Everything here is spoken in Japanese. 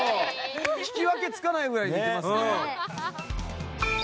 聞き分けつかないぐらいにできますね。